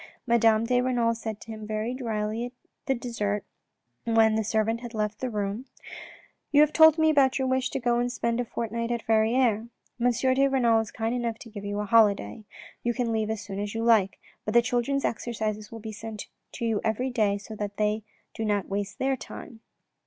Madame de Renal said to him very drily at dessert when the servant had left the room :" You have told me about your wish to go and spend a fortnight at Verrieres. M. de Renal is kind enough to give you a holiday. You can leave as soon as you like, but the childrens' exercises will be sent to you every day so that they do not waste their time."